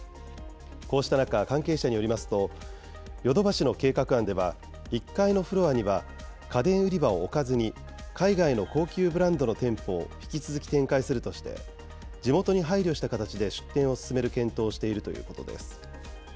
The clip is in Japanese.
こうした中、関係者によりますと、ヨドバシの計画案では、１階のフロアには家電売り場を置かずに、海外の高級ブランドの店舗を引き続き展開するとして、地元に配慮した形で出店を進める検討をしているということです。